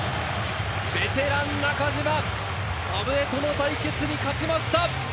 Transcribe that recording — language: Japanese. ベテランの中島、祖父江との対決に勝ちました。